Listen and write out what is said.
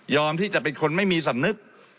ที่จะเป็นคนไม่มีสำนึก